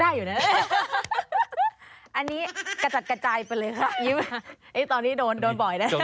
บางองค์เนี่ยอาจจะแบบไม่ค่อยยิ้มเราต้องเลือกที่แบบยิ้มเยอะ